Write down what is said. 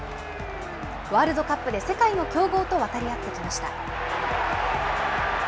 ワールドカップで世界の強豪と渡り合ってきました。